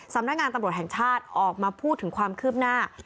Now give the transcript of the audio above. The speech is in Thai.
สำนักงานตำรวจแห่งชาติออกมาพูดถึงความคืบหน้า